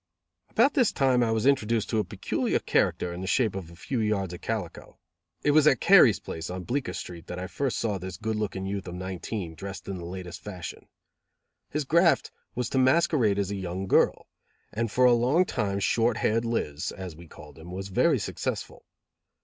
About this time I was introduced to a peculiar character in the shape of a few yards of calico. It was at Carey's place on Bleecker Street that I first saw this good looking youth of nineteen, dressed in the latest fashion. His graft was to masquerade as a young girl, and for a long time Short Haired Liz, as we called him, was very successful.